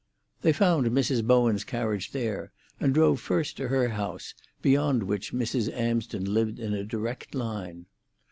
They found Mrs. Bowen's carriage there, and drove first to her house, beyond which Mrs. Amsden lived in a direct line.